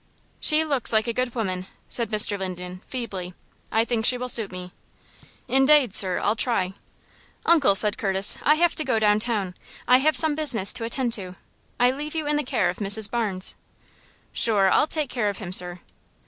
"She looks like a good woman," said Mr. Linden, feebly. "I think she will suit me." "Indade, sir, I'll try." "Uncle," said Curtis, "I have to go downtown. I have some business to attend to. I leave you in the care of Mrs. Barnes." "Shure, I'll take care of him, sir."